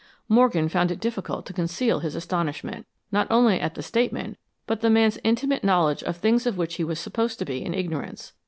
Morgan found it difficult to conceal his astonishment, not only at the statement, but the man's intimate knowledge of things of which he was supposed to be in ignorance.